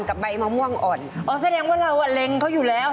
ค่ะจ้างนอนเฝ้าของค่ะ